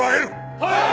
はい！